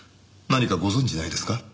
何かご存じないですか？